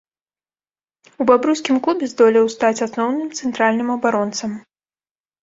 У бабруйскім клубе здолеў стаць асноўным цэнтральным абаронцам.